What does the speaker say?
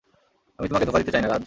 আমি তোমাকে ধোঁকা দিতে চাইনা, রাজ।